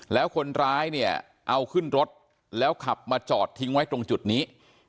แล้วคนร้ายเนี่ยเอาขึ้นรถแล้วขับมาจอดทิ้งไว้ตรงจุดนี้